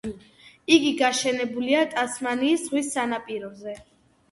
იგი გაშენებულია ტასმანიის ზღვის სანაპიროზე.